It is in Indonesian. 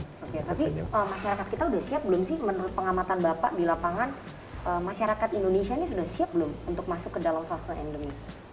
oke tapi masyarakat kita sudah siap belum sih menurut pengamatan bapak di lapangan masyarakat indonesia ini sudah siap belum untuk masuk ke dalam fase endemi